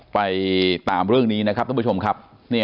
ไปตามเรื่องนี้นะครับท่านผู้ชมครับ